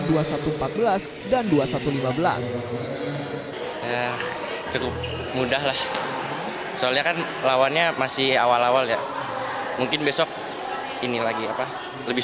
empat belas dan dua puluh satu lima belas cukup mudah lah soalnya kan lawannya masih awal awalnya mungkin besok ini lagi apa lebih